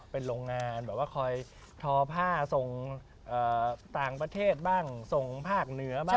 เป็นโรงงานคอยทอผ้าส่งต่างประเทศบ้างส่งผ้ากเนื้อบ้าง